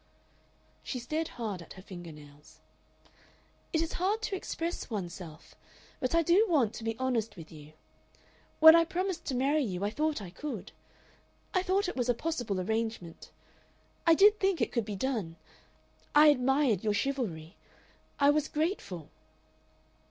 She stared hard at her finger nails. "It is hard to express one's self, but I do want to be honest with you. When I promised to marry you I thought I could; I thought it was a possible arrangement. I did think it could be done. I admired your chivalry. I was grateful."